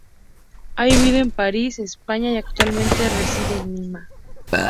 Ha vivido en París, España y actualmente reside en Lima.